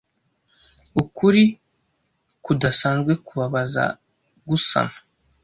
ukuri kudasanzwe kubabaza gusama